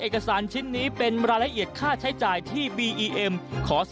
คิดว่ากับการก่ายเมื่อก่อน